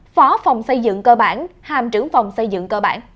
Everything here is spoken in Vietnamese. phó phòng xây dựng cơ bản hàm trưởng phòng xây dựng cơ bản